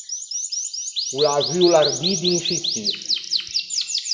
O l’à avuo l’ardî de inscistî.